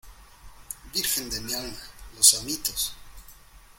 ¡ virgen de mi alma! ¡ los amitos !